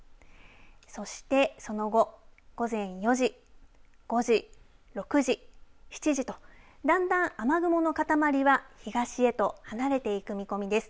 そして、その後午前４時、５時、６時７時とだんだん雨雲の塊は東へと離れていく見込みです。